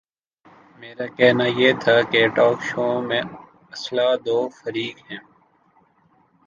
میرا کہنا یہ تھا کہ ٹاک شو میں اصلا دو فریق ہیں۔